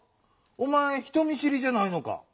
おまえ人見しりじゃないのか？